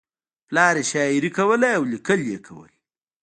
پلار یې شاعري کوله او لیکل یې کول